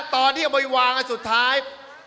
ตอนที่เราอำมวยวางที่สุดท้าย